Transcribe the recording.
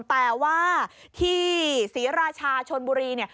แต่ว่าที่ศรีราชาชนบุรี